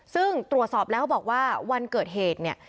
ซึ่งตรวจสอบแล้วบอกว่าวันเกิดเหตุเนี่ย